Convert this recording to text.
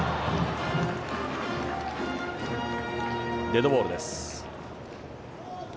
デッドボールです。